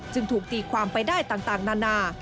ถูกตีความไปได้ต่างนานา